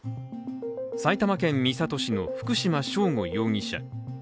埼玉県三郷市の福島聖悟容疑者。